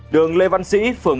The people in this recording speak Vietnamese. đường lê văn sĩ phường một